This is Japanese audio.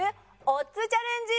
オッズチャレンジ！